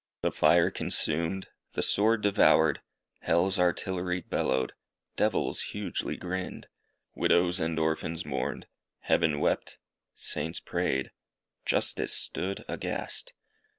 The fire consumed. The sword devoured. Hell's artillery bellowed. Devils hugely grinned. Widows and orphans mourned. Heaven wept. Saints prayed. Justice stood aghast.